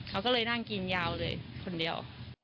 เขาก็เลยนั่งกินยาวเลยคนเดียว